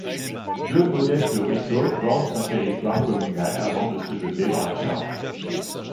Deux modestes ruisseaux bornent son territoire communal avant de se jeter dans la Charente.